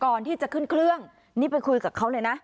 ก่อนที่จะขึ้นเครื่องนี่ไปคุยกับเขาเลยนะ